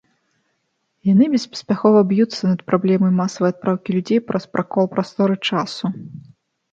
Яны беспаспяхова б'юцца над праблемай масавай адпраўкі людзей праз пракол прасторы-часу.